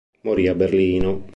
Morì a Berlino.